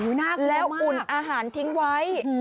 โอ้โหน่ากลัวมากแล้วอุ่นอาหารทิ้งไว้